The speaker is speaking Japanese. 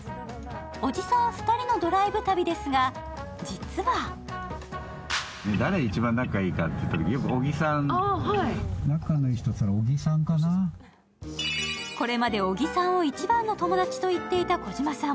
おじさん２人のドライブ旅ですが、実はこれまで小木さんを一番の友達と言っていた児嶋さん。